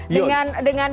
dengan tim yang luar biasa